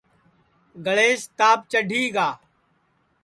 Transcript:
گݪیس تاپ چڈھی گا